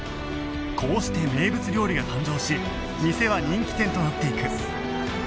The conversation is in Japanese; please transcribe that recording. こうして名物料理が誕生し店は人気店となっていく